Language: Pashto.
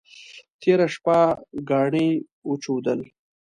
تېره شپه ګاڼي وچودل.